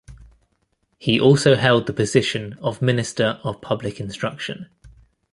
He also held the position of Minister of Public Instruction.